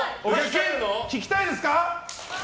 聴きたいですか？